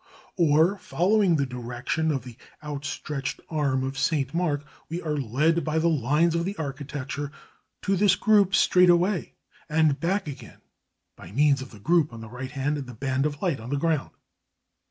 Or, following the direction of the outstretched arm of St. Mark, we are led by the lines of the architecture to this group straight away, and back again by means of the group on the right and the band of light on the ground.